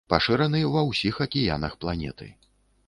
Пашыраны ва ўсіх акіянах планеты.